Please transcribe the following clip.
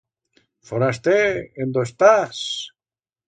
Foraster, en dó estás?